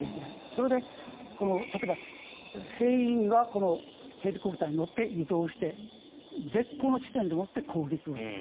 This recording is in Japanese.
それで、例えば兵員がヘリコプターに乗って移動して絶好の地点でもって攻撃をする。